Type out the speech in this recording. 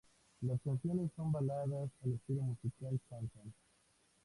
Las canciones son baladas al estilo musical chanson.